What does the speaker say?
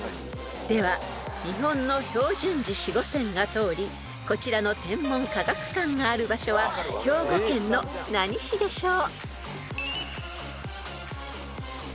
［では日本の標準時子午線が通りこちらの天文科学館がある場所は兵庫県の何市でしょう？］